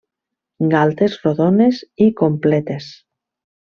Galtes rodones i completes.